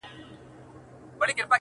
تا ولې دا د دې دنيا جنت خاورې ايرې کړ~